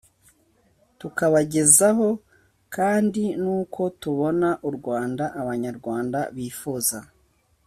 tukabagezaho kandi n'uko tubona u rwanda abanyarwanda bifuza